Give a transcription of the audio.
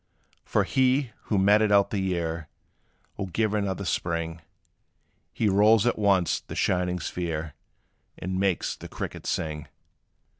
For he, who meted out the year, Will give another spring: He rolls at once the shining sphere, And makes the cricket sing.